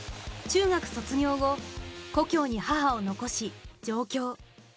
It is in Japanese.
中学卒業後故郷に母を残し上京。